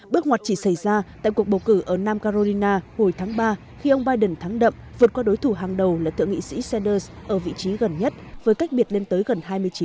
bước ngoặt chỉ xảy ra tại cuộc bầu cử ở nam carolina hồi tháng ba khi ông biden thắng đậm vượt qua đối thủ hàng đầu là thượng nghị sĩ sanders ở vị trí gần nhất với cách biệt lên tới gần hai mươi chín